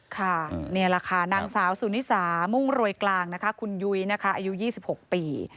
ค่ะนี่แหละค่ะนางสาวสุนิสามุ่งรวยกลางนะคะคุณยุ้ยนะคะอายุ๒๖ปี